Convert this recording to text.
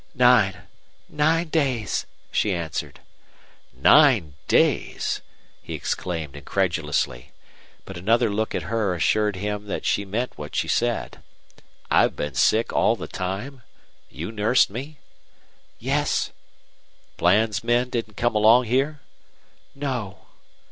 "Nine. Nine days," she answered. "Nine days!" he exclaimed, incredulously. But another look at her assured him that she meant what she said. "I've been sick all the time? You nursed me?" "Yes." "Bland's men didn't come along here?" "No."